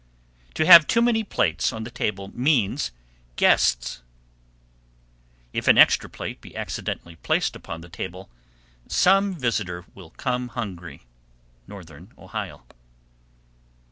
_ 769. To have too many plates on the table means guests. 770. If an extra plate be accidentally placed upon the table, some visitor will come hungry. _Northern Ohio.